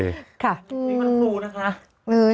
วันนี้วันครูนะคะ